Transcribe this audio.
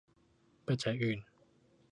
ปัจจัยอื่น